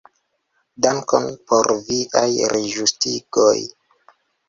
Dankon por viaj reĝustigoj.